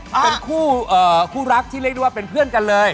นะครับก็คือคู่รักที่เรียกได้ว่าเป็นเพื่อนกันเลย